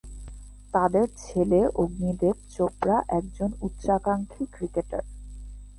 তাঁদের ছেলে অগ্নি দেব চোপড়া একজন উচ্চাকাঙ্ক্ষী ক্রিকেটার।